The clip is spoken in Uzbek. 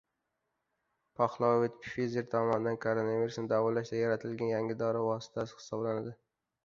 Paxlovid — Pfizer tomonidan koronavirusni davolashda yaratilgan yangi dori vositasi hisoblanadi